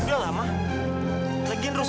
oh ya ampun